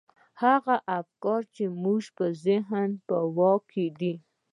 هغه افکار چې زموږ د ذهن په واک کې دي.